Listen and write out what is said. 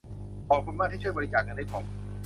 ขอบคุณมากที่ช่วยบริจาคเงินให้ผม